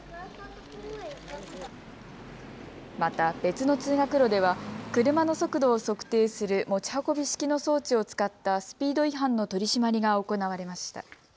また別の通学路では車の速度を測定する持ち運び式の装置を使ったスピード違反の取締りが行われました。